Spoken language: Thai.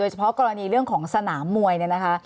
เฉพาะกรณีเรื่องของสนามมวยเนี่ยนะคะ